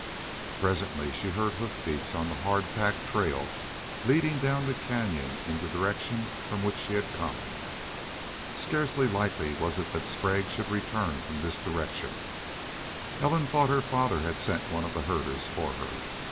Presently she heard hoof beats on the hard, packed trail leading down the canyon in the direction from which she had come. Scarcely likely was it that Sprague should return from this direction. Ellen thought her father had sent one of the herders for her.